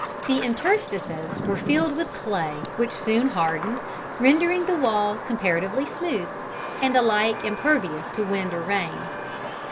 The interstices were filled with clay, which soon hardened, rendering the walls comparatively smooth, and alike impervious to wind or rain.